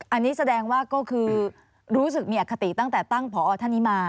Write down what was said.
อันนี้แสดงว่าก็คือรู้สึกมีอคติตั้งแต่ตั้งผอท่านนี้มา